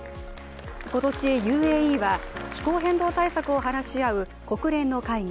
今年ＵＡＥは、気候変動対策を話し合う国連の会議